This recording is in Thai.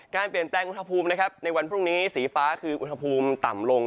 เปลี่ยนแปลงอุณหภูมิในวันพรุ่งนี้สีฟ้าคืออุณหภูมิต่ำลง